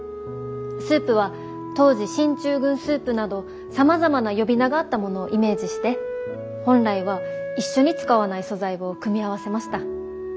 スープは当時進駐軍スープなどさまざまな呼び名があったものをイメージして本来は一緒に使わない素材を組み合わせました。